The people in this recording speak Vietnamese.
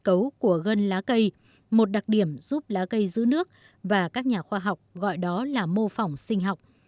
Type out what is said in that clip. cơ cấu của gân lá cây một đặc điểm giúp lá cây giữ nước và các nhà khoa học gọi đó là mô phỏng sinh học